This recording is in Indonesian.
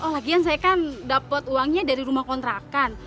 oh lagian saya kan dapat uangnya dari rumah kontrakan